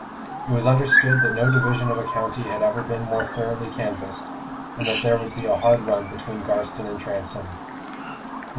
It was understood that no division of a county had ever been more thoroughly canvassed, and that there would be a hard run between Garstin and Transome. Mr.